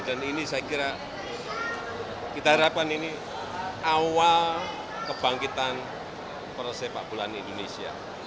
dan ini saya kira kita harapkan ini awal kebangkitan persepak bulan indonesia